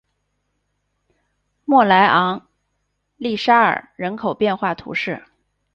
莫莱昂利沙尔人口变化图示